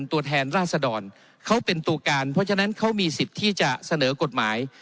ตัวแทนราษดรเขาเป็นตัวการเพราะฉะนั้นเขามีสิทธิ์ที่จะเสนอกฎหมาย